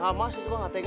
sama sih gue gak tega